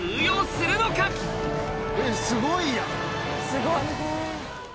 すごい。